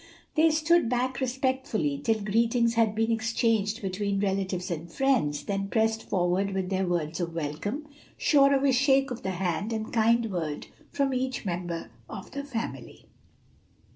They stood back respectfully till greetings had been exchanged between relatives and friends, then pressed forward with their words of welcome, sure of a shake of the hand and kind word from each member of the family.